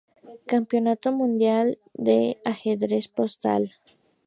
Campeonato mundial de ajedrez postal.